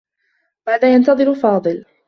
ماذا ينتظر فاضل؟